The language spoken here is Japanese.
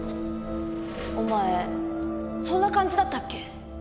お前そんな感じだったっけ？